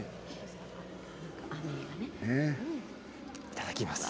いただきます。